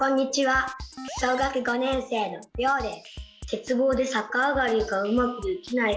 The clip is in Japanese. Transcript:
小学５年生のりょうです。